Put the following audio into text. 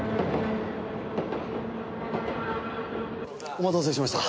お待たせしました。